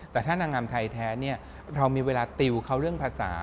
แต่ถ้านางงามไทยแท้เรามีเวลาติวเขาเรื่องภาษา